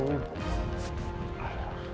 iya saya sudah selesai ya